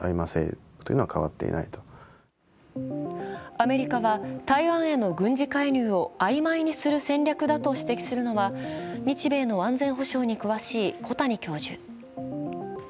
アメリカは台湾への軍事介入を曖昧にする戦略だと指摘するのは日米の安全保障に詳しい小谷教授。